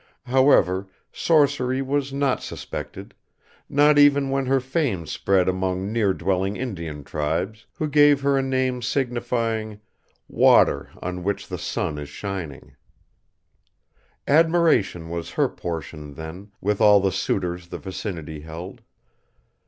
However, sorcery was not suspected; not even when her fame spread among near dwelling Indian tribes who gave her a name signifying Water on which the Sun is Shining. Admiration was her portion, then, with all the suitors the vicinity held.